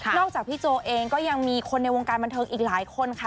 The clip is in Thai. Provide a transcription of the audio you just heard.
จากพี่โจเองก็ยังมีคนในวงการบันเทิงอีกหลายคนค่ะ